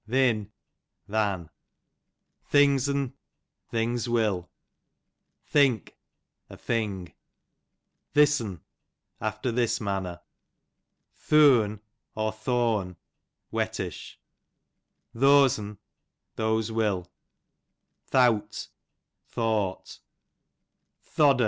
Thin, than. Things'n, things will. Think, a thing. Thiss'n, after this manner. Thooan, ]__,, \wettish. Thoan, J Those'n, those will. Thowt, thought.